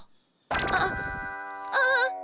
あっああ。